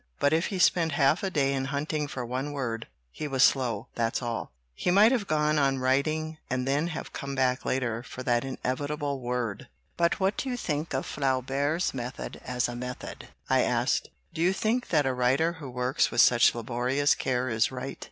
But if he spent half a day in hunting for one word, he was slow, that's all. He might have gone on writing and then have come back later for that inevitable word." "But what do you think of Flaubert's method, 75 LITERATURE IN THE MAKING as a method?" I asked. "Do you think that a writer who works with such laborious care is right?"